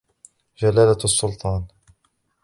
جلالـــــــــــــــــة الـسلطــــــــــان